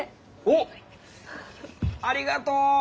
おっありがとう！